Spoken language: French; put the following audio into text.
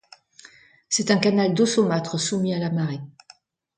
C'est un canal d'eau saumâtre soumis à la marée.